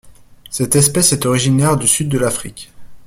Cette espèce est originaire du sud de l'Afrique.